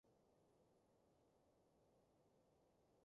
北極係冇企鵝架